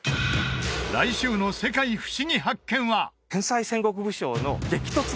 来週の「世界ふしぎ発見！」は